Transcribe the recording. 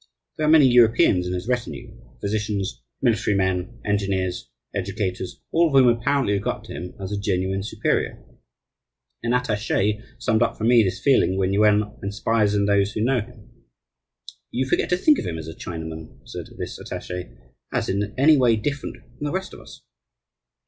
There are many Europeans in his retinue physicians, military men, engineers, educators all of whom apparently look up to him as a genuine superior. An attaché summed up for me this feeling which Yuan inspires in those who know him: "You forget to think of him as a Chinaman," said this attaché, "as in any way different from the rest of us."